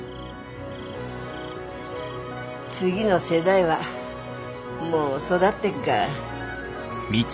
次の世代はもう育ってっがら。